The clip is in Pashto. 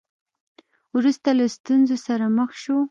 وروسته له ستونزو سره مخ شو.